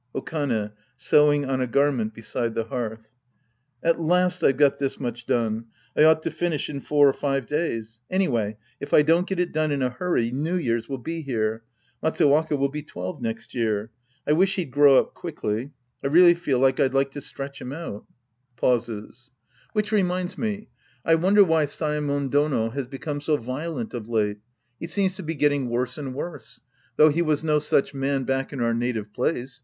Okane {sewing on a garment beside tJie hearth). At last I've got this much done. I ought to finish in four or five days. Anyway if I don't get it done in a huriy, New Year's will be here. Matsuwaka will be twelve next year. I wish he'd grow up quickly. I really feel that I'd like to stretch Iiim out. {Pauses.) 12 The Priest and His Disciples Act I Wliicli reminds me, I wonder why Saemon Dono has become so violent of late. He seems to be get ting worse and worse. Though he was no such man back in our native place.